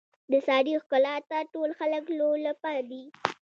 د سارې ښکلاته ټول خلک لولپه دي.